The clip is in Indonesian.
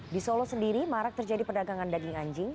di solo sendiri marak terjadi perdagangan daging anjing